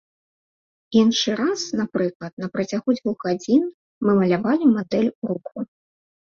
Іншы раз, напрыклад, на працягу дзвух гадзін мы малявалі мадэль у руху.